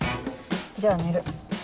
じゃあ寝る。